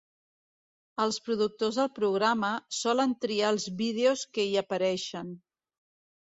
Els productors del programa solen triar els vídeos que hi apareixen.